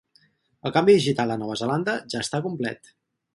El canvi digital a Nova Zelanda ja està complet.